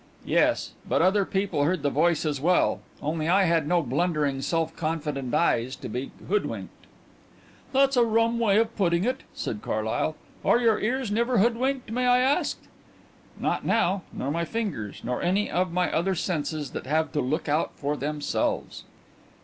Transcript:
"Yes; but other people heard the voice as well. Only I had no blundering, self confident eyes to be hoodwinked." "That's a rum way of putting it," said Carlyle. "Are your ears never hoodwinked, may I ask?" "Not now. Nor my fingers. Nor any of my other senses that have to look out for themselves."